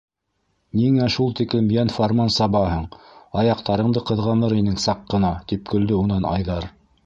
- Ниңә шул тиклем йәнфарман сабаһың, аяҡтарыңды ҡыҙғаныр инең саҡ ҡына, - тип көлдө унан Айҙар.